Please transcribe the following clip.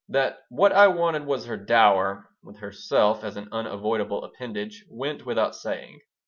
That what I wanted was her dower (with herself as an unavoidable appendage) went without saying.